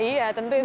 iya tentu itu jadi